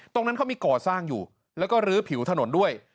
ตรงนั้นเขามีก่อสร้างอยู่แล้วก็ลื้อผิวถนนด้วย